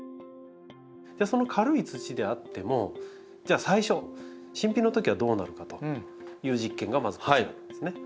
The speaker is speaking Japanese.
その軽い土であってもじゃあ最初新品のときはどうなるかという実験がまずこちらなんですね。